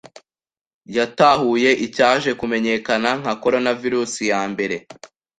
Yatahuye icyaje kumenyekana nka coronavirus ya mbere